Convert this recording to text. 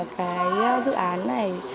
cái dự án này